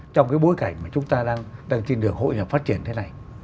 trong cái bối cảnh mà chúng ta đang đang trên đường hội hợp phát triển thế này